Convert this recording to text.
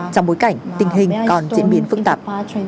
trong bối cảnh tình hình còn diễn biến phức tạp